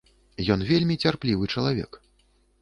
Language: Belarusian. Ён вельмі цярплівы чалавек.